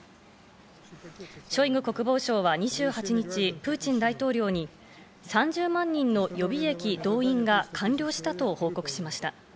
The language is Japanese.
ショイグ国防相は２８日、プーチン大統領に３０万人の予備役動員が完了したと報告しました。